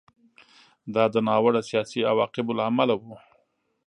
دا د ناوړه سیاسي عواقبو له امله و